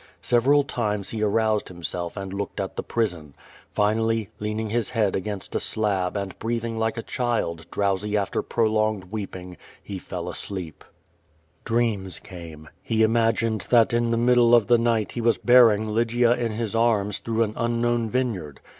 Several times he aroused himself and looked at the prison. Finally, leaning his head against a slab and QVO VADT8, 395 breathing like a child, drowsy after prolonged weeping, he fell asleep. Dreams came. lie imagined that in llie middle of the night he was bearing Lygia in his arms through an unknown vineyard.